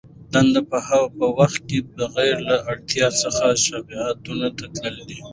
د دندي په وخت کي بغیر له اړتیا څخه شعباتو ته تلل .